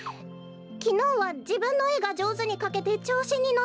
きのうはじぶんのえがじょうずにかけてちょうしにのっちゃったの。